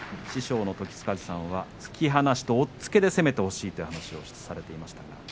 師匠の時津風さんは、突き放しと押っつけで攻めてほしいという話をされていました。